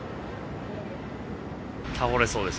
倒れそうです。